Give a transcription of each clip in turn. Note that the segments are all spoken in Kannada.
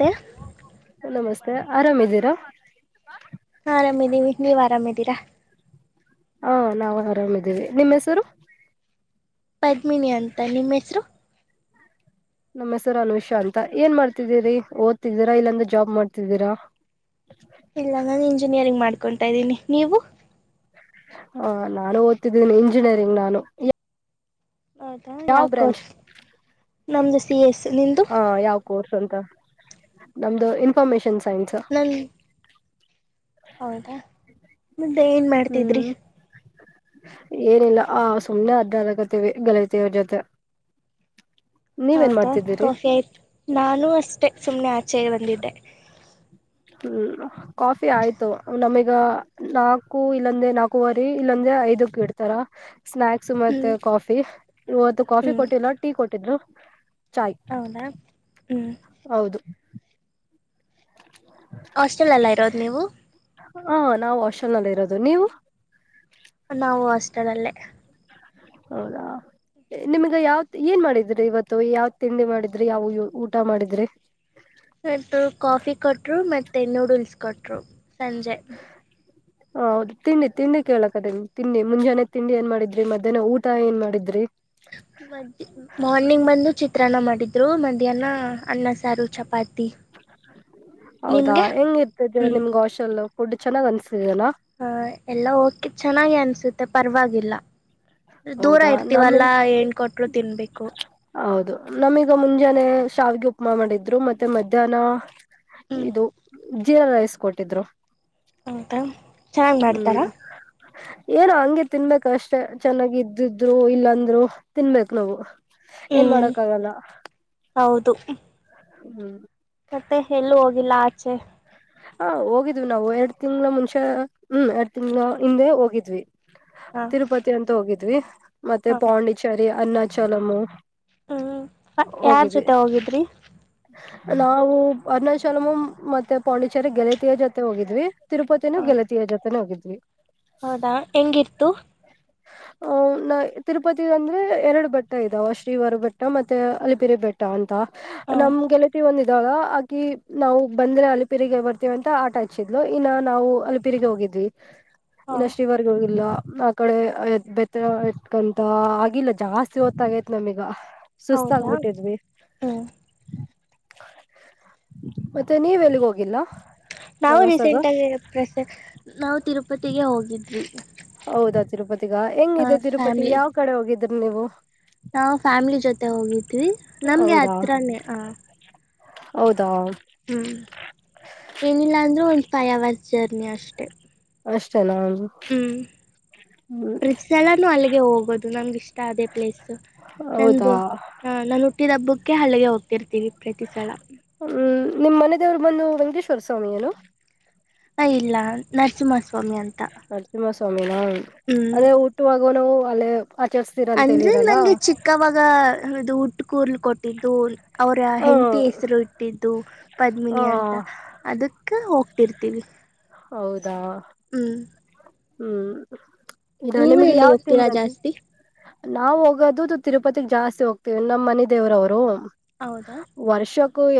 ಮತ್ತೆ ನಮಸ್ತೆ ಆರಾಮ್ದೀರಾ. ಆರಾಮಿದ್ದೀವಿ ನೀವು ಆರಾಮಿದ್ದೀರಾ ಹಾ ನಾವು ಆರಾಮಿದ್ದೀವಿ ನಿಮ್ಮ್ ಹೆಸರು. ಪದ್ಮಿನಿ ಅಂತ ನಿಮ್ಮ ಹೆಸರು. ನಮ್ಮ ಹೆಸರು ಅನ್ ವಿಷಾ ಅಂತ ಏನ್ ಮಾಡ್ತಿದ್ದೀರಿ ಓದ್ತಿದ್ದೀರಾ ಇಲ್ಲಂದ ಜಾಬ್ ಮಾಡ್ತಿದ್ದೀರಾ. ಇಲ್ಲ ನಾನು ಇಂಜಿನಿಯರಿಂಗ್ ಮಾಡ್ಕೊತ ಇದ್ದೀನಿ. ನೀವು, ಹ ನಾನು ಓದ್ತಿದ್ದೀನಿ. ಇಂಜಿನಿಯರಿಂಗ್ ನಾನು, ಹೌದಾ ಯಾವ ಕೋರ್ಸ್. ನಮ್ದು ಸಿ ಎಸ್, ನಿಮ್ಮದು ಹಾ ಯಾವ ಕೋರ್ಸ್ ಅಂತ ನಮ್ದು ಇನ್ಫಾರ್ಮೇಶನ್ ಸೈನ್ಸ್ ನನ್ನ ಹೌದಾ ಮತ್ತೆ ಏನ್ ಮಾಡ್ತಿದ್ರಿ ಹ್ಮ್ ಏನಿಲ್ಲ ಆ ಸುಮ್ನೆ ಅಡ್ಡಕತೀವಿ ಗೆಳತಿಯರೆ ಜೊತೆ ನೀವೇನ್ ಹೌದಾ ಮಾಡ್ತಿದ್ದೀರಿ ಕಾಫಿ ಆಯ್ತು ನಾನು ಅಷ್ಟೆ ಸುಮ್ನೆ ಆಚೆಗಬಂದಿದ್ದೆ ಹ್ಮ್ ಕಾಫಿ ಆಯ್ತು ನಮೀ ಈಗ ನಾಲ್ಕು ಇಲ್ಲೊಂದೆ ನಾಕುವರಿ ಇಲ್ಲಂದೆ ಐದಕ್ ಇಡ್ತಾರ ಸ್ನಾಕ್ಸ್ ಹ್ಞೂ ಮತ್ತೆ ಕಾಫಿ. ಇವತ್ತು ಕಾಫಿ ಹ್ಞೂ ಕೊಟ್ಟಿಲ್ವ ಟೀ ಕೊಟ್ಟಿದ್ರು ಚಾಯ್ ಹೌದಾ ಹ್ಞೂ ಹೌದು ಹಾಸ್ಟೆಲಲ್ಲ ಇರೋದು ನೀವು ಹಾ ನಾವು ಹಾಸ್ಟೆಲ್ ನಲ್ಲಿ ಇರೋದು ನೀವು ನಾವು ಹಾಸ್ಟೆಲ್ಲ್ಲೇ ಹೌದಾ ನಿಮ್ಗ ಯಾವತ್ ಏನ್ ಮಾಡಿದ್ರಿ ಇವತ್ತು ಯಾವ ತಿಂಡಿ ಮಾಡಿದ್ರಿ ಯಾವ ಊಟ ಮಾಡಿದ್ರಿ ತೆ ನೂಡಲ್ಸ್ ಕೊಟ್ರು ಸಂಜೆ ಹ ಹೌದು ತಿಂಡಿ ತಿಂಡಿ ಕೇಳಕತಿನಿ ತಿಂಡಿ ಮುಂಜಾನೆ ತಿಂಡಿ ಏನ್ ಮಾಡಿದ್ರಿ ಮಧ್ಯಾಹ್ನ ಊಟ ಏನ್ ಮಾಡಿದ್ರಿ ಮ ಮಾರ್ನಿಂಗ್ ಬಂದು ಚಿ ತ್ರನ್ನ ಮಾಡಿದ್ರು ಮಧ್ಯಾಹ್ನ ಅನ್ನ ಸಾರು ಚಪಾತಿ ಹೌದಾ ನಿಮ್ಗೆ ಹೆಂಗಿರ್ತದೆ ನಿಮ್ಗೆ ಹಾಷೆಲ್ ಫುಡ್ ಚೆನ್ನಾಗ್ ಅನ್ಸತದೆ ಹ ಎಲ್ಲ ಓಕೆ ಚೆನ್ನಾಗಿ ಅನ್ಸುತ್ತೆ ಪರವಾಗಿಲ್ಲ ದೂರ ಹೌದಾ ನಮ ಇರ್ತೀವಲ್ಲಾ ಏನ್ ಕೊಟ್ರು ತಿನ್ಬೇಕು ಹೌದು ನಮೀಗ ಮುಂಜಾನೆ ಶಾವಿಗೆ ಉಪಮ್ ಮಾಡಿದ್ರು ಮತ್ತೆ ಮಧ್ಯಾಹ್ನ ಹ್ಮ್ ಇದು ಜೀರಾ ರೈಸ್ ಕೊಟ್ಟಿದ್ರು ಅಂತ ಹ್ಮ್ ಏನು ಹಂಗೆ ತಿನ್ಬೇಕ ಅಷ್ಟೆ ಚೆನ್ನಾಗಿ ಇದ್ದಿದ್ರು ಇಲ್ಲಂದ್ರು ತಿನ್ಬೇಕು ನಾವು ಏನ್ ಹ್ಮ್ ಮಾಡಕ್ಕ ಆಗಲ್ಲ ಹೌದು ಹ್ಮ್ ಮತ್ತೆ ಎಲ್ಲೂ ಹೋಗಿಲ್ಲ ಆಚೆ ಹ ಹೋಗಿದ್ವಿ ನಾವು ಎರಡ್ ತಿಂಗ್ಗಳ ಮುಂಚೆ ಹ್ಮ್ ಎರಡ್ ತಿಂಗ್ಗಳ ಹಿಂದೆ ಹೋಗಿದ್ವಿ ಹಾ ತಿರುಪತಿ ಅಂತ ಹೋಗಿದ್ವಿ ಮತ್ತೆ ಹಾ ಪಾಂಡಿಚರಿ ಅನ್ನಾಚಲಮು ಹ್ಮ್ ಯಾರ್ ಜೊತೆ ಹೋಗಿದ್ರಿ ನಾವು ಅರುಣಾಚಲಮ ಮತ್ತೆ ಪಾಂಡಿಚೇರಿ ಗೆಳತಿಯ ಜೊತೆ ಹೋಗಿದ್ವಿ ತಿರುಪತಿನೂ ಹ ಗೆಲತಿಯ ಜೊತೆನೇ ಹೋಗಿದ್ವಿ ಹೌದಾ ಹೆಂಗಿತ್ತು ಆಹ ನ ತಿರುಪತಿ ಅಂದ್ರೆ ಎರಡು ಬೆಟ್ಟ ಇದಾವ ಶ್ರೀವಾರ ಬೆಟ್ಟ ಮತ್ತೆ ಅಲಿಪಿರಿ ಬೆಟ್ಟ ಅಂತ ಹ ನಮ್ ಗೆಲತಿ ಒಂದಿದಾಲ ಆಕಿ ನಾವು ಬಂದ್ರೆ ಅ ಪಿರಿಗೆ ಬರ್ತೀವಿ ಅಂತ ಆಟ ಹಚ್ಚಿದ್ಲು ಇನ್ನ ನಾವು ಅಲ್ಲಿ ಪ ತಿರಿಗೆಗೆ ಹೋಗಿದ್ವಿ ಹ ಇನ್ನ ಶ್ರೀವಾರ್ಗ ಹೋಗಿಲ್ವಾ ಆ ಕಡೆ ಬೆತ್ತ ಇಟ್ಕಂತ ಆಗಿಲ್ಲ ಜಾಸ್ತಿ ಹೊತ್ತಾಗೈತ್ ನಮೀಗ ಹೌದಾ ಸುಸ್ತಾಗಬಿಟ್ಟಿದ್ವಿ ಹ್ಮ್ ಮತ್ತೆ ನೀವೆ ಎಲ್ಲಿಗ ಹೋಗ ನಾವು ರೀಸೆಂಟ್ ಆಗ ಪ್ರಸ ನಾವು ತಿರುಪತಿಗೆ ಹೋಗಿದ್ವಿ ಹೌದಾ ತಿರುಪತಿಗ ಹ ಹೆಂಗಿದೆ ತಿರುಪತಿ ಫ್ಯಾಮ್ಲಿ ಯಾವ್ ಕಡೆ ಹೋಗಿದ್ರಿ ನೀವು ನಾವು ಫ್ಯಾಮಿಲಿ ಜೊತೆ ಹೋಗಿದ್ವಿ ನಮ್ಗೆ ಹೌದಾ ಹತ್ರನೇ ಹ ಹೌದಾ ಹ್ಮ್ ಏನಿಲ್ಲ ಅಂದ್ರು ಒಂದ ಫೈವ್ ಅವರ್ಸ್ ಜರ್ನಿ ಅಷ್ಟೆ ಹ ಹ್ಮ್ ಪ್ರತಿ ಸಲಾನೂ ಅಲ್ಲಿಗೆ ಹೋಗೋದು ನಂಗ ಇಷ್ಟ ಅದೇ ಪ್ಲೇಸು ಹೌದಾ ನಂದುು ಹ ನಾು ಹುಟ್ಟಿದ ಹಬ್ಬಕ್ಕೆ ಅಲ್ಲಿಗೆ ಹೋಗ್ತಿರ್ತೀವಿ ಪ್ರತಿ ಸಲ ನಿಮ್ಮ್ ಮನೆದವ್ರು ಬಂದು ವೆಂಕೇಶ್ವರ ಸ್ವಾಮಿ ಏನು ಹ ಇಲ್ಲ ನರಸಿಂಹಸ್ ನರಸಿಂಹ ಸ್ವಾಮಿನ ಹ್ಮ್ ಅದೇ ಊಟವಾಗುವ ನಾವು ಅಲ್ಲೇ ಆಚರಿಸ್ತೀರ ಅಂತ ಅಂದ್ರೆ ಹೇಳಿರಲ್ಲ ನಂಗೆ ಚಿಕ್ಕವಾಗ ಅದು ಸ್ಕೂಲ್ ಕೊಟ್ಟಿದ್ದು ಅವರ ಹ ಹೆಪಿ ಹೆಸರು ಇಟ್ಟಿದ್ದು ಹ ಪದ್ಮಿನಿ ಅಂತ ಅದು ಅಕ್ಕ ಹೋಗ್ತಿಿರ್ತೀವಿ ಹೌದಾ ಹ್ಮ್ ಇಲ್ಲ ನೀವು ನಿಮ್ಗೆ ಎಲ್ಲಿಗೆ ಯಾವ ಹೋಗ್ತೀರಾ ತಿಿಂದ ಜಾಸ್ತಿ ನಾವು ಹೋಗೋದುದು ತಿರುಪತಿಗ್ ಜಾಸ್ತಿ ಹೋಗ್ತೇವಿ ನಮ್ಮ್ ಮನ ದೇವ್ರವ್ರು ಹೌದಾ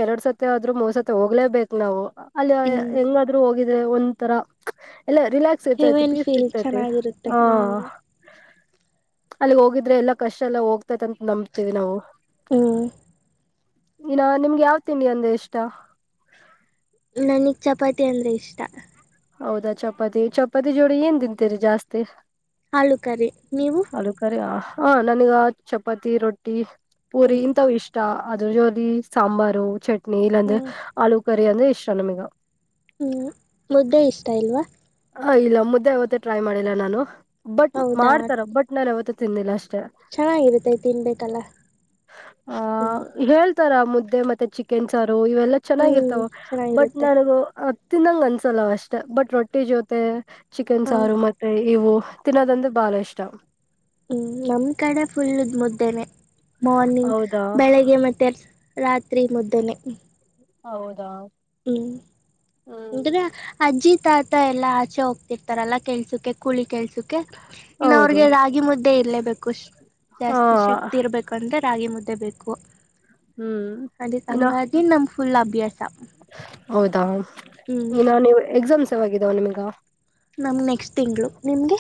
ಎರಡ್ ಸತಿ ಆದ್ರೂ ಮೂರ್ ಸತಿ ಹೋಗ್ಲೇಬೇಕು ನಾವು ಅಲ್ಲಿ ಹ್ಮ್ ಹೆಂಗಾದ್ೂ ಹೋಗಿ ಅ ಒಂಥರ ಎಲ್ಲ ರಿಲ್ಯಾಕ್ಸ್ ಇರ್ತೈತಿ ಹೆವೆನ್ ಪೀಸ್ ಫೀಲ್ ಸಿರ್ತೈತಿ ಚೆನ್ನಾಗಿರುತ್ತೆ ಹ ಹ್ಮ್ ಅಲ್ಲಿ ಹೋಗಿದ್ರೆ ಎಲ್ಲಾ ಕಷ್ಟ ಎಲ್ಲ ಹೋಗ್ತೈತ್ಂತ ನಂಬತೀವಿ ನಾವು ಹ್ಮ್ ಇನ್ನ ನಿಮ್ಗೆ ಯಾವ ತಿಂಡಿ ಅಂದ ಇಷ್ಟ ನನಗ್ ಚಪಾತಿ ಅಂದ್ರೆ ಇಷ್ಟ ಹೌದಾ ಚಪಾತಿ ಚಪಾತಿ ಜೋಳ ಏನ್ ತಿಂತೀರಿ ಜಾಸ್ತಿ ಹಾಲೂ ಕರಿ ನೀವು ಹಾ ನನಗ ಚಪಾತಿ ರೊಟ್ಟಿ ಪೂರಿ ಹ್ಮ್ ಇಂಥವು ಇಷ್ಟ ಅದ್ರ ಜೊಲಿ ಸಾಂಬಾರು ಚಟ್ನಿ ಇಲ್ಲಾಂದೆ ಹ್ಮ್ ಆಳೂ ಕರಿ ಅಂದ್ರೆ ಇಷ್ಟ ನಮಗ ಹ್ಮ್ ಮುದ್ದೆ ಇಷ್ಟ ಇಲ್ವಾ ಹ ಇಲ್ಲ ಮುದ್ದೆ ಯಾವತ್ತೇ ಟ್ರೈ ಮಾಡಿಲ್ಲ ನಾನು ಬಟ್ ಹೌದಾ ಮಾಡ್ತಾರ ಬಟ್ ನಾನು ಯಾವತ್ತೇ ತಿಂದಿಲ್ಲ ಅಷ್ಟ ಚೆನ್ನಾಗಿರುತ್ತೆ ತಿನ್ಬೇಕಲ್ಲ ಹ್ಮ್ ಹ ಇತರ ಮುದ್ದೆ ಮತ್ತೆ ಚಿಕೆನ್ ಸಾರು ಇವೆಲ್ಲಾ ಚೆನ್ನಾಗಿ ಹ್ಮ್ ಇರ್ತಾವ ಬಟ್ ಚೆನ್ನಾಗಿರುತ್ತೆ ನನಗ ತಿನ್ನಂಗ ಅನ್ಸಲ್ಲ ಅಷ್ಟೆ ಬಟ್ ರೊಟ್ಟಿ ಜೊತೆ ಚಿಕನ್ ಹಾ ಸಾರು ಮತ್ತೆ ಇವು ತಿನ್ನೋದಂದ್ರೆ ಬಾಳ ಇಷ್ಟ ಹ್ಮ್ ನಮ್ ಕಡೆ ಫುಲ್ಲದ್ ಮುದ್ದೆನೆ ಮಾರ್ನಿಂಗ್ ಹೌದಾ ಬೆಳಿಗ್ಗೆ ಮತ್ತೆ ರಾತ್ರಿ ಮುದ್ದನೇ ಹೌದಾ ಹ್ಮ್ ಹ್ಮ್ಂತ ಆಜ ಆಾತ ಎಲ್ಲ ಆಚೆ ಹೋಗ್ತಿರ್ತಾರಲ್ಲ ಕೆಲ್ಸಕ್ಕೆ ಕೂಳಿ ಕೆಲ್ಸ ಇನ್ನು ಹೌದು ಅವ್ರಿಗೆ ರಾಗಿ ಮುದ್ದೆ ಇರಲೇಬೇಕುಷ್ಟ ಹಾ ಜಾಸ್ತಿ ಶಕ್ತಿ ಇರ್ಬೇಕಂದ್ರೆ ರಾಗಿ ಮುದ್ದೆ ಬೇಕು ಹ್ಮ್ ಅ ಇನ್ನ ಹಂಗಾಗಿ ನಮ್ ಫುಲ್ ಅಭ್ಯಾಸ ಹೌದಾ ಹ್ಮ್ ಇನ್ನ ನೀವು ಎಕ್ಸಾಮ್ಸ್ ಯಾವಾಗಿದ್ದಾವ ನಿಮಗ ನಮ್ ನೆಕ್ಸ್ಟ್ ತಿಂಗಳು ನಿಮ್ಗೆ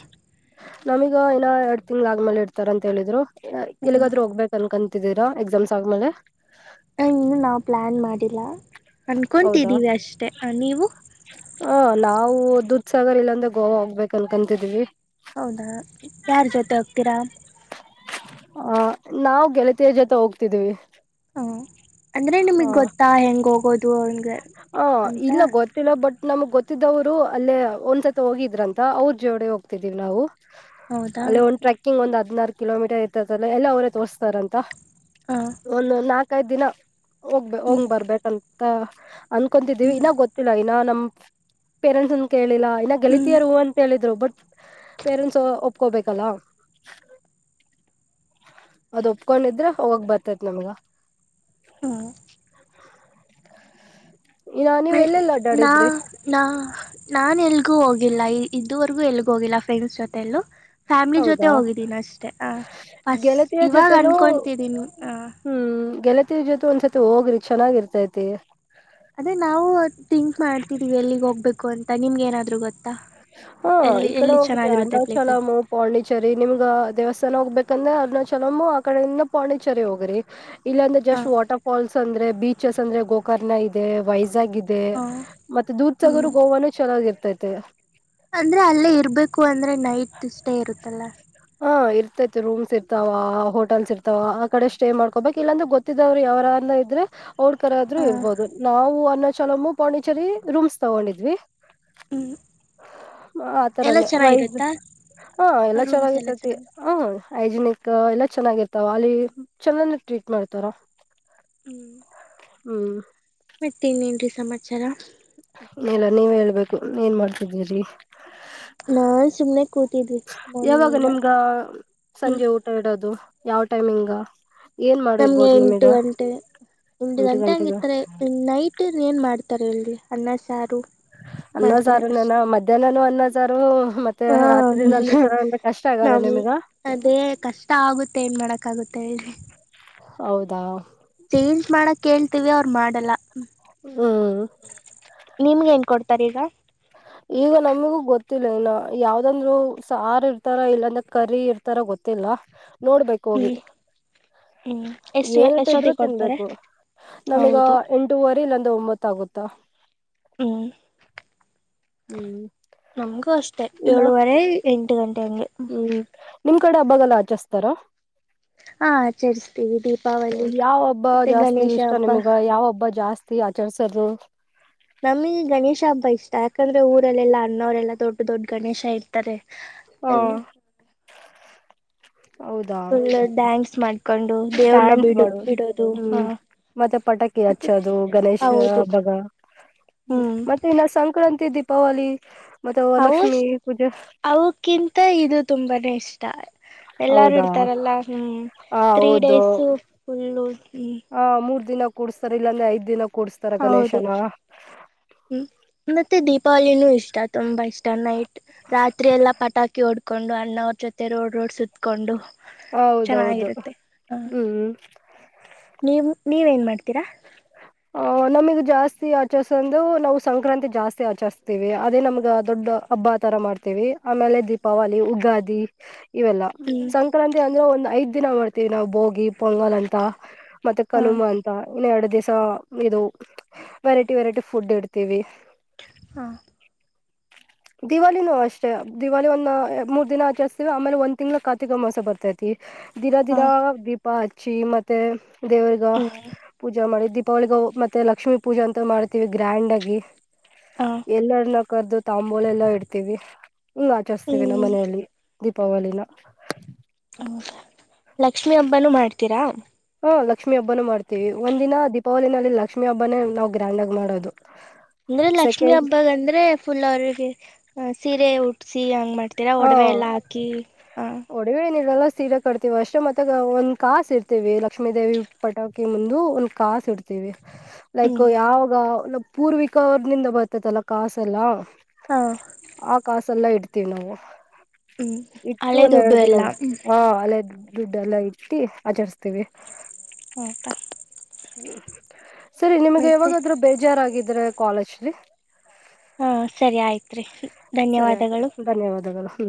ನಮೀಗ ಏನ ಎರಡ್ ತಿಂಗ್ ಆದ್ಮೇಲೆ ಇಡ್ತಾರ ಅಂತ ಹೇಳಿದ್ರು ಹ್ಮ್ ಎಲ್ಲಿಗಾದ್ರೂ ಹೋಗ್ಬೇಕ ಅನ್ಕಂತ ೀರಾ ಎಕ್ಸಾಮ್ಸ್ ಆದ್ಮೇಲೆ ಇನ್ನು ನಾ್ ಪ್ಲಾನ್ ಮಾಡ ಹೌದಾ ಅನ್ಕೊತಿದ್ದೀವಿ ಅಷ್ಟೇ ನೀವು ಹ ನಾವು ದದುದ್ ಸಾಗರ್ ಇಲ್ಲಾ್ರೆ ಗೋವಾ ಹೋಗ್ಬೇಕು ಅನ್ಕಂತಿದೀವಿ ಹೌದಾ ಯಾರ ಜೊತೆ ಹೋಗ್ತೀರಾ ಹ ನಾವವು ಗೆಳತಿಯ ಜೊತೆ ಹೋಗ್ತಿದೀವಿ ಹ ಅಂದ್ರೆ ಹ ನಿಮಗ್ ಗೊತ್ತಾ ಹೆಂಗ ಹೋಗೋದು ಅವ ಹ ಇಲ್ಲ ಗೊತ್ತಿಲ್ಲ ಬಟ್ ಗೊತ್ತಿದ್ದವ್ರು ಅಲ್ಲೇ ಒಂದ್ಸತ್ ಹೋಗಿದ್ರಂತ ಅವ್ರ ಜೋಡೆ ಹೋಗ್ತಿದೀವಿ ನಾವು ಹೌದಾ ಅಲ್ಲೇ ಒಂದ್ ಟ್ರೆಕ್ಕಿಂಗ್ ಒಂದ್ ಹದ್ನಾರು ಕಿಲೋಮೀಟರ್ ಇರ್ತದಲ್ಲ ಎಲ್ಲ ಅವರೇ ತೋರ್ಸ್ತಾರಂತ ಹ ಒಂದು ನಾಕೈದ್ ದಿನ ಹೋಗ್ಬ ಹಂಗ್ ಹ್ಮ್ ಬರ್ಬೇಕಂತ ಅನ್ಕೊಂತಿದೀವಿ ಹ್ಮ್ ಇನ್ನಾಗ ಗೊತ್ತಿಲ್ಲ ಇನ್ನ ನಮ್ ಪೇರೆಂಟ್ಸ್ ಅನ್ ಕೇಳಿಲ್ಲ ಇನ್ನ ಹ್ಮ್ ಗೆಲಿತಿಯಾರ ಅಂತ ಹೇಳಿದ್ರು ಬಟ್ ಪೇರೆಂಟ್ಸ್ ಒಪ್ಕೋಬೇಕಲ್ಲ ಅದ್ ಒಪ್ಕೊಂಡಿದ್ರೆ ಹೋಗಕ್ ಬರ್ತತ್ ನಮ್ಗ ಹ್ಮ ಇನ್ನ ಮ ನೀವ್ ಎಲ್ಲೆಲ್ಲ ನಾ ಅಡ್ಡಾಡಿದ್ರಿ ನಾ [unintelligible] ನಾನ್ ಎಲ್ಗೂ ಹೋಗಿಲ್ಲ ಇದುವರೆಗೂ ಎಲ್ಗೂ ಹೋಗಿಲ್ಲ ಫ್ರೆಂಡ್ಸ್ ಜೊತೆಲ್ಲೂ ಫ್ಯಾಮ್ಲಿ ಜೊತೆ ಹೌದಾ ಹೋಗಿದ್ದೀನಿ ಅಷ್ಟೆ ಹ ಫಸ್ಟ್ ಗೆಳತಿಯ ಇವಾಗ ಜೊತೆನೂ ಅನ್ಕೊತಿದೀನ ಹ ಗೆಳತಿರ್ ಜೊತೆ ಒಂದ್ಸರ್ ಹೋಗ್ರಿ ಚೆನ್ನಾಗಿರ್ತೈತಿ ಅದೇ ನಾವು ಥಿಂಕ್ ಮಾಡ್ತಿದೀವಿ ಎಲ್ಲಿಗ್ ಹೋಗ್ಬೇಕು ಅಂತ ನಿಮ್ಗೆ ಏನಾದ್ರು ಗೊತ್ತ ಹಾ ಈ ಕಡೆ ಹೋಗ್ರ ಪ್ಲೇಸಸ್ ಅನಾಶಲಾಮ ಪೋಂಡಿಚರಿ ನಿಮ್ಗ ದೇವಸ್ಥಾನ ಚನ ಹೋಗ್ಬೇಕಂದ್ರೆ ಅರ್ನಾ ಚಲಮ ಆ ಕಡೆಯಿಂದ ಪಾಂಡಿಚೇರಿ ಹೋಗ್ರಿ ಇಲ್ಲ ಅಂದ್ರೆ ಹಾ ಜಸ್ಟ್ ವಾಟರ್ ಫಾಲ್ಸ್ ಅಂದ್ರೆ ಬೀಚಸ್ ಅಂದ್ರೆ ಗೋಕರ್ಣ ಇ [unintelligible] ಇದೆ ವೈಜಾಗ ಇದೆ ಹಾ ಮತ್ತೆ ದೂಧ್ ಸಾಗರ್ ಗೋವಾನು ಚೆನ್ನಾಗಿ ಇರ್ತೈತೆ ಅಂದ್ರೆ ಅಲ್ಲೇ ಇರ್ಬೇಕು ಅಂದ್ರೆ ನೈಟ್ ಸ್ಟೇ ಇರುತ್ತಲ್ಲ ಹ ಇರ್ತೈತಿ ರೂಮ್ಸ್ ಇರ್ತವ ಹೋಟೆಲ್ಸ್ ಇರ್ತವ ಆ ಕಡೆ ಸ್ಟೇ ಮಾಡ್ಕೋಬೇಕು ಇಲ್ಲಾಂದ್ರ ಗೊತ್ತಿದಾವ್ರರು ಯಾರಾರ [unintelligible] [unintelligible] ಇದ್ರೆ ಅವಡ್ ಕರ ಆದ್ರರು ಹಾಂ ಇರ್ಬೋದು ನಾವು ಅನ್ನಚಲಮ್ಮ ಪಾಂಡಿಚರಿ ರೂಮ್ಸ್ ತಗೊಂಡಿದ್ವಿ ಹ್ಞೂ ಎಲ್ಲ ಆತರನೇ ವಯಸ್ ಚೆನ್ನಾಗಿರುತ್ತಾ ಹಾ ಎಲ್ಲ ರೂಮ್ಸ್ ಚೆನ್ನಾಗಿತ್ತು ಚೆನ್ನಾಗಿ ಆಯನ [unintelligible] ಎಲ್ಲ ಚೆನ್ನಾಗಿರ್ತಾವ ಅಲ್ಲಿ ಚನ್ನ ಟ್ರೀಟ್ ಮಾಡ್ತಾರ ಹ್ಮ್ [inaudible] [unintelligible] ಹ್ಮ್ ಮತ್ತ ಇನ್ನೇನ್ರಿ ಸಮಾಚಾರ ಇಲ್ಲ ನೀವ್ ಹೇಳ್ಬೇಕು ನೀಏನ್ ಮಾಡ್ತಿದ್ದೀರಿ [inaudible] [unintelligible] ನಾನ್ ಸುಮ್ನೆ ಕೂತಿದ್ನೀ ಯಾವಾಗ ಮಾರ್ನಿಂಗ್ಇಂದ ನಿಮ್ಗ ಹ್ಮ್ ಯಾವ್ ಟೈಮಿಂಗ ಏನ್ ನಮ್ಗೆ ಮಾಡಿರ್ಬೋದು ಎಂಟು ನಿಮಗ ಗಂಟೆ ಎಂಟು ಗಂಟೆ ಹಂಗಿರ್ತಾರೆ ನೈಟ್ ಮಟ್ಟೆನ್ ಏನ್ ಮಾಡ್ತಾರೆ ಇಲ್ಲಿ ಅನ್ನ ಸಾರು ಮಾಡ್ತಾರೆ ಹನ್ನೊಆರುರು ನನ ಅಷ್ಟ ಮಧ್ಯಾಹ್ನನ ಅನ್ನೊಸಾರು ಮತ್ತೆ ರಾತ್ರಿನ ಹನ್ನ್ ಹ ಸಾರ ಅಂದ್ರೆ ಕಷ್ಟ ಆಗಲ್ಲ ನಮ ನಿಮ್ಗ ಅದೇ ಕಷ್ಟ ಆಗುತ್ತೆ ಏನ್ ಮಾಡಕ್ಕಾಗುತ್ತೆ ಹೌದಾ ಚೇಂಜ್ ಮಾಡಕ್ ಕೇಳ್ತೀವಿ ಅವ್ರು ಮಾಡಲ್ಲ ಹ್ಮ ನಿಮ್ಗೆ ಏನ್ ಕೊಡ್ತಾರೆ ಈಗ ಈಗ ನಮಗೂ ಗೊತ್ತಿಲ್ಲ ಇನ್ನ ಯಾವ್ದಂದ್ರು ಸಾರು ಇರ್ತಾರ ಇಲ್ಲಾಂದ್ರೆ ಕರಿ ಇರ್ತಾರ ಗೊತ್ತ ಗತ್ತಲ್ಲ ನೋಡ್ಬೇಕು ಹೋಗಿ ಹ್ಮ್ ಹ್ಮ್ ಎಷ್ಟು ಏನಟ್ಟಿದ್ರು ಎಷ್ಟೊತ್ತಿಗೆ ಕೊಡ್ತಾರೆ ತಿನ್ಬೇಕು ನಮಗ ಹೌದು ಎಂಟೂವರಿ ಇಲ್ಲ [unintelligible] ಒಮ್ಮತ್ ಆಗುತ್ತಾ ಹ್ಮ್ ಹ್ಮ್ ನಮಗೆ ಅಷ್ಟ ಇನ್ನ ಏಳ ವರೆ [unintelligible] ಹ್ಮ್ ನಿಮ್ ಕಡೆ ಹಬ್ಬಗೆಲ್ಲ ಆಚಸ್ತಾರ ಹ ಯಾವ ಹಬ್ಬ ಮತ್ತೆ ಜಾಸ್ತಿ ಗಣೇಶ ಇಷ್ಟ ಹಬ್ಬ ನಿಮಗ ಯಾವ ಹಬ್ಬ ಜಾಸ್ತಿ ಕೆಳ್ಸದು ನಮಲ್ಲಿ ಗಣೇಶ ಹಬ್ಬ ಇಷ್ಟ ಯಾಕಂದ್ರೆ ಊರಲ್ಲೆ ಅಣ್ಣವರೆಲ್ಲಾ ದೊಡ್ಡ ದೊಡ್ಡ ಗಣೇಶ ಇರ್ತಾರೆ ಹಾ ಅಲ್ಲಿ [unintelligible] ಫುಲ್ ಡ್ಯಾನ್ಸ್ ಮಾಡ್ಕೊಂಡು ದೇವ್ರನ್ನ ಡ್ಯಾನ್ಸ್ ಬಿಡ ಮಾಡು ಬಿಡೋದು ಹಾ ಹ್ಮ್ ಮತ್ತೆ ಪಟಾಕಿ ಹಚ್ಚದು ಹೌದು ಗಣೇಶಬ್ಬಗ ಹ್ಮ ಹ್ಮ್ ಮತ್ತೆ ಇನ್ನ ಸಂಕ್ರಾಂತಿ ದೀಪಾವಳಿ ಮತ್ತೆ ಅವು ಲಕ್ಷ್ಮಿ ಪೂಜೆ ಅವಕ್ಕಿಂತ ಇದು ತುಂಬಾನೇ ಇಷ್ಟ ಎಲ್ಲಾರು ಹೌದಾ ಇಡ್ತಾರಲ್ಲಾ ಹ್ಮ್ ಹ ತ್ರೀ ಹೌದು ಡೇಸ ಫುಲ್ಲು ಹ್ಮ ಹ ಮೂರ್ ದಿನ ಕೂಡ್ಸ್ತಾರ ಇಲ್ಲಾಂದ್ರೆ ಐದ ದಿನ ಕೂಡಸ್ತಾರ ಹೌದು ಗಣೇಶನ ದೀಪವಳಿನೂ ಇಷ್ಟ ತುಂಬಾ ಇಷ್ಟ ನೈಟ್ ರಾತ್ರಿ ಎಲ್ಲಾ ಪಟಾಕಿ [unintelligible] ಕ್ಕಿ ಓಡ್ಕೊಂಡು ಅಣ್ಣ ಅವ್ರ ಜೊತೆ ರೋಡ್ ರೋಡ್ ಸುತ್ಕೊಂಡು ಹೌದೌದು ಚೆನ್ನಾಗಿರುತ್ತೆ ಹ ಹ್ಮ್ ನೀವು ನೀವೇನ್ ಮಾಡ್ತೀರಾ [inaudible] ಆ ನಮಗ್ ಜಾಸ್ತಿ ಆಚರಿಸಂದು ನಾವು ಸಂಕ್ರಾಿ ಜಾಸ್ತಿ ಆಚರಿಸತೀವಿ ಅದೇ ನಮ್ಗ ದೊಡ್ಡ ಹಬ್ಬ ಬಾ ತರ ಮಾಡ್ತೇವಿ ಆಮೇಲೆ ದೀಪಾವಳಿ ಉಗಾದಿ ಇವೆಲ್ಲ ಹ್ಮ್ ಸಂಕ್ರಾಂತಿ ಅಂದ್ರೆ ಒಂದ್ ಐದ್ ದಿನ ಮಾಡ್ತೀವಿ ನಾವವು ಬೋಗಿ ಪೊಂಗಲ್ ಅಂತ ಮತ್ತೆ ಹಾಂ ಕನುಮಾ ಅಂತ ಇನ್ನು ಎರಡು ದಿವಸ ಇದು ವೆರೈಟಿ ವೆರೈಟಿ ಫುಡ್ ಇಡ್ತೀವಿ ಹಾ ದಿವಾಳಿಿನ ಅಷ್ಟೇ ದಿವಳಿ ಒಂದ ಮೂರ್ ದಿನ ಆಚರಿಸಸ್ತವಿ ಆಮೇಲೆ ಒಂದ್ ತಿಂಗ್ ಕಾರ್ತಿಕ ಮಾಸ ಬರ್ತೈತಿ ದಿನ ದಿನಾ ಹಾಂ ದೀಪ ಹಚ್ಚಿ ಮತ್ತೆ ದೇವರ್ಗ ಹ್ಮ್ ಪೂಜಾ ಮಾಡಿ ದೀಪ ದಪಾವಳಿಗ ಮತ್ತೆ ಲಕ್ಷ್ಮೀ ಪೂಜೆ ಅಂತ ಮಾಡ್ತೀವಿ ಗ್ರ್ಯಾಂಡ್ ಆಗಿ ಹಾಂ ಎಲ್ಲರನ್ನ ಕರೆದು ತಾಂಬೂಲೆ ಎಲ್ಲಾ ಇಡ್ತೀವಿ ಆಚಾಸ್ತೇವಿ ನಮ್ಮ ಹ್ಮ್ ಮನೆಯಲ್ಲಿ ದೀಪಾವಳಿನ ಹೌದ ಲಕ್ಷ್ಮಿ ಹಬ್ಬನುೂ ಮಾಡ್ತೀರಾ ಲಕ್ಷ್ಮೀ ಹಬ್ಬನ ಮಾಡ್ತೀವಿ ಒಂದ ದಿನ ದೀಪಾವಳಿನಲ್ಲಿ ಲಕ್ಷ್ಮಿ ಹಬ್ಬನೇ ನಾವು ಗ್ರ್ಯಾಂಡ್ ಆಗಿ ಮಾಡೋದು ಅಂದ್ರೆ ಲಕ್ಷ್ಮೀ ಸೆಕೆಂಡ್ ಹಬ್ಬಾಗ ಅಂದ್ರೆ ಫುಲ್ ಅವ್ರರಿಗೆ ಸೀರೆ ಉಟ ಪ್ಸಿ ಹಂಗ್ ಮಾಡ್ತೀರಾ ಒಡವೆ ಎಲ್ಲ ಹಾಕಿ ಹಾ ಉಡಿ ಏನರಲ್ಲ ಸೀರೆ ಕಟ್ತೀವಿ ಅಷ್ಟೇ ಮತ್ತೆ ಒಂದ್ ಕಾಸ ಇಡ್ತೀವಿ ಲಕ್ಷ್ಮೀ ದೇವಿ ಪಟಾಕಿ ಮುಂದ ಒಂದ್ ಕಾಸಿ ಇಡ್ತೀವಿ ಲೈಕ್ ಹ್ಮ್ ಯಾವಾಗ ಪೂರ್ವಿಕರ್ನಿಂದ ಬರ್ತೈತಲ್ಲ ಕಾಸ ಎಲ್ಲ ಹಾ ಆ ಕಾಸೆಲ್ಲ ಇಡ್ತೀವಿ ನಾವು ಹ್ಮ್ ಇಟ್ಟು ಅಲ್ಲೇ ಒಂದ್ ಎರಡು ದಿನ ಹಾ ಅಲ್ಲ ದುಡ್ಡೆ ಎಲ್ಲಾ ಇಟ್ಟಿ ಆಚರಿಸ್ತೇವಿ ಹತಾ ಸರಿ ನಿಮ್ಗೆ ಯಾವಾಗಾದ್ರೂ ಬೇಜಾರಾಗಿದ್ರೆ ಕಾಲೇಜ್ಲಿ ಹಾ ಸರಿ ಆಯ್ತ್ರಿ ಧನ್ಯವಾದಗಳು ಹ್ಮ